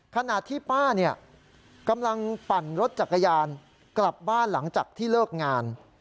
ขณะที่ป้าเนี่ยกำลังปั่นรถจักรยานกลับบ้านหลังจากที่เลิกงาน